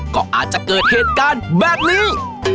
ก็อาจจะเกิดเหตุการณ์แบบนี้